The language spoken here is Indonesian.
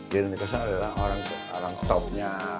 jerry nicholson adalah orang topnya